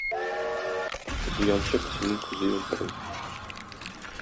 Зыянчы песинең күзе елтырый.